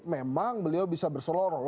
memang beliau bisa berselorong